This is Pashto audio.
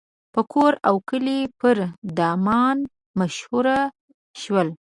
په کور او کلي پر دامان مشهور شول.